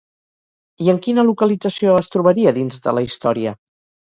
I en quina localització es trobaria, dins de la història?